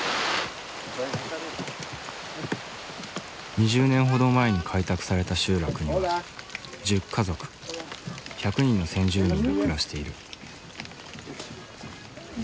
２０年ほど前に開拓された集落には１０家族１００人の先住民が暮らしている。